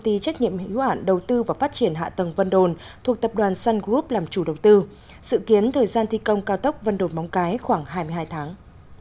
thuộc tập đoàn sun group làm chủ đầu tư sự kiến thời gian thi công cao tốc vân đồn móng cái khoảng hai mươi hai tháng